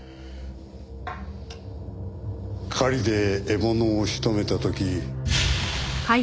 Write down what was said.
狩りで獲物を仕留めた時。